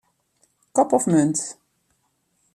Kop of munt.